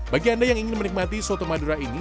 bagi anda yang ingin menikmati soto madura ini